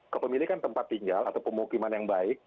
kepemilikan tempat tinggal atau pemukiman yang baik